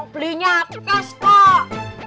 belinya kes kok